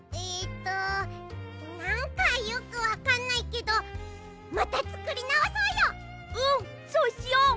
えっとなんかよくわかんないけどまたつくりなおそうよ！